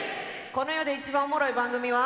この世で一番おもろい番組は？